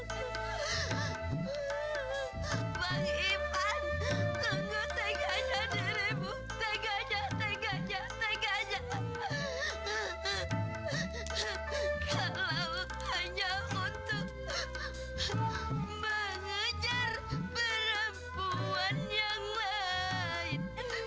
kalau hanya untuk mengejar perempuan yang lain